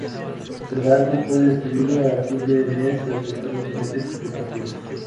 Sin embargo, fue despedido a fin de mes tras disputar únicamente siete partidos.